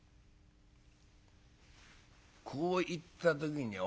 「こう言った時に俺はね